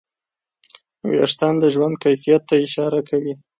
وېښتيان د ژوند کیفیت ته اشاره کوي.